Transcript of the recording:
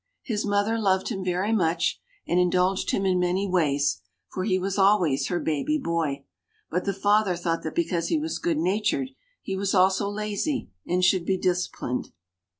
His mother loved him very much and indulged him in many ways, for he was always her baby boy, but the father thought that because he was good natured he was also lazy and should be disciplined.